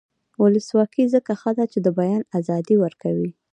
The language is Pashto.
ولسواکي ځکه ښه ده چې د بیان ازادي ورکوي.